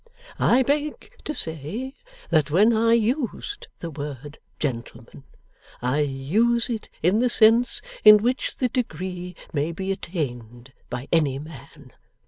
I beg to say, that when I use the word, gentleman, I use it in the sense in which the degree may be attained by any man.